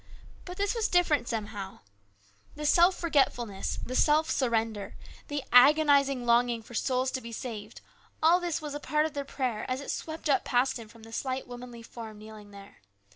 But this was different somehow. The self 92 HIS BROTHER'S KEEPER. forgetfulness, the self surrender, the agonizing longing for souls to be saved, all this was a part of the prayer as it swept up past him from the slight womanly form kneeling there.